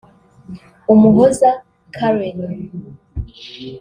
Umuhoza Karen